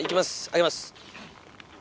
上げます。